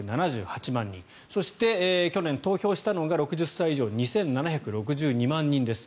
そして去年、投票したのが６０歳以上、２７６２万人です。